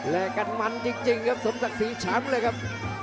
กันมันจริงครับสมศักดิ์ศรีช้ำเลยครับ